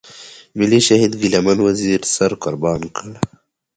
ملي شهيد ګيله من وزير سر قربان کړ.